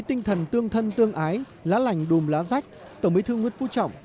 tân tương ái lá lành đùm lá giách tổng bí thư nguyễn phú trọng